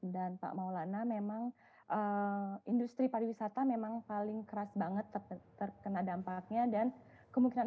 dan pak maulana memang industri pariwisata memang paling keras banget terkena dampaknya dan kemungkinan